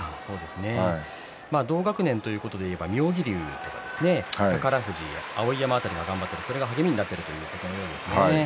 同学年ということでは妙義龍ですとか宝富士碧山辺りが頑張っているそれが励みになっているということですね。